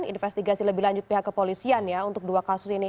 investigasi lebih lanjut pihak kepolisian ya untuk dua kasus ini